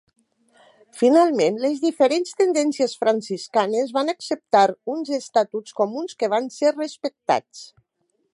Finalment, les diferents tendències franciscanes van acceptar uns estatuts comuns que van ser respectats.